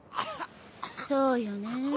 そうよねぇ。